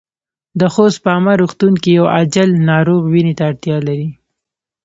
د خوست په عامه روغتون کې يو عاجل ناروغ وينې ته اړتیا لري.